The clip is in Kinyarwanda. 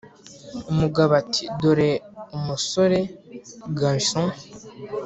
umugabo ati" dore umusore(garçon,)